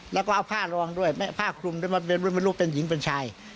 แล้วก็เอาผ้ารองด้วยผ้าคลุมด้วยไม่รู้เป็นหญิงเป็นชาย